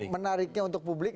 menariknya untuk publik